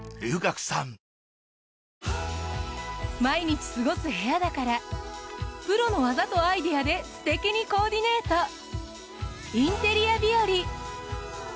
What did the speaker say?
毎日過ごす部屋だからプロの技とアイデアですてきにコーディネート。